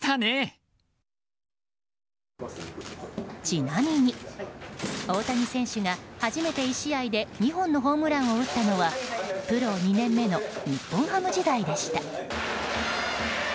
ちなみに、大谷選手が初めて１試合で２本のホームランを打ったのはプロ２年目の日本ハム時代でした。